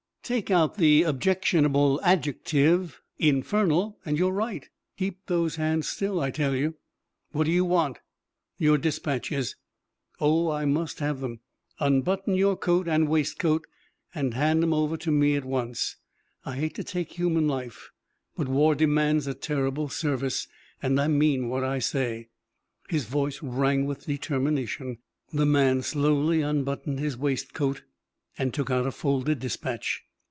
"Take out the objectionable adjective 'infernal' and you're right. Keep those hands still, I tell you." "What do you want?" "Your dispatches! Oh, I must have 'em. Unbutton your coat and waistcoat and hand 'em to me at once. I hate to take human life, but war demands a terrible service, and I mean what I say!" His voice rang with determination. The man slowly unbuttoned his waistcoat and took out a folded dispatch.